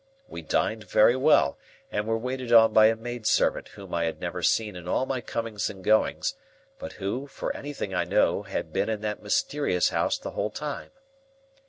We dined very well, and were waited on by a maid servant whom I had never seen in all my comings and goings, but who, for anything I know, had been in that mysterious house the whole time.